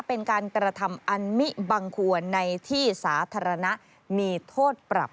เป็นการกระทำอันมิบังควรในที่สาธารณะมีโทษปรับ